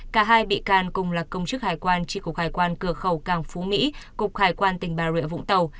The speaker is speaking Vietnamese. cả hai bị can cùng là công chức hải quan tri cục hải quan cửa khẩu càng phú mỹ cục hải quan tỉnh bà rịa vũng tàu